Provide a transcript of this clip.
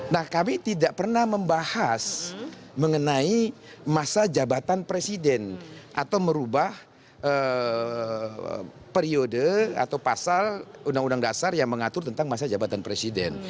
nah kami tidak pernah membahas mengenai masa jabatan presiden atau merubah periode atau pasal undang undang dasar yang mengatur tentang masa jabatan presiden